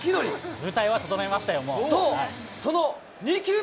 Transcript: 舞台は整いましたよ。